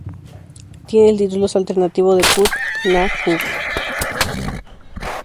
Tiene el títulos alternativo de "Put na Jug".